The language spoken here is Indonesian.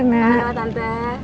apa kabar tante